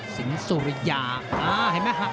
สิงสุริยาอ่าเห็นไหมครับ